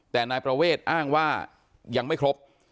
แต่นายประเวทอ้างว่ายังไม่ครบ